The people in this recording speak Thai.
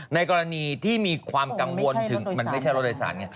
ในกรณีที่มีความกังวลถึงมันไม่ใช่รถโดยสารไง